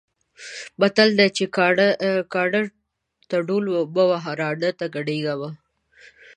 متل دی چې: کاڼۀ ته ډول مه وهه، ړانده ته ګډېږه مه.